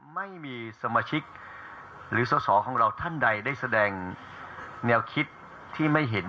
ไม่มีสมาชิกหรือสอสอของเราท่านใดได้แสดงแนวคิดที่ไม่เห็น